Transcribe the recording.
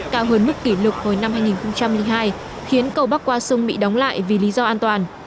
cao hơn mức kỷ lục hồi năm hai nghìn hai khiến cầu bắc qua sông bị đóng lại vì lý do an toàn